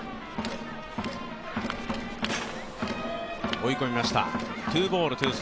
追い込みました。